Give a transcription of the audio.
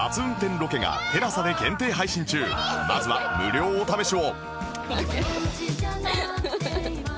まずは無料お試しを！